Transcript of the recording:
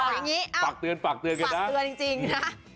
บอกอย่างนี้อ้าวฝากเตือนจริงนะฝากเตือนจริงนะ